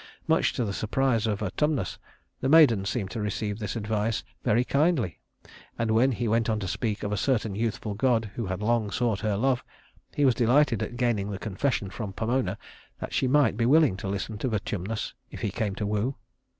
Much to the surprise of Vertumnus, the maiden seemed to receive this advice very kindly; and when he went on to speak of a certain youthful god who had long sought her love, he was delighted at gaining the confession from Pomona that she might be willing to listen to Vertumnus if he came to woo.